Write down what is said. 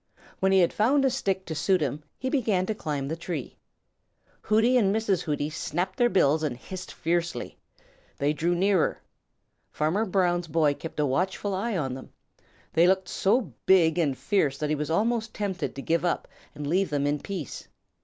When he had found a stick to suit him, he began to climb the tree. Hooty and Mrs. Hooty snapped their bills and hissed fiercely. They drew nearer. Farmer Brown's boy kept a watchful eye on them. They looked so big and fierce that he was almost tempted to give up and leave them in peace.